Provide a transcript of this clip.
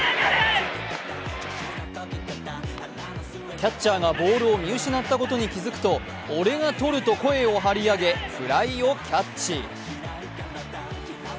キャッチャーがボールを見失ったことに気付くと、俺がとると声を張り上げフライをキャッチ。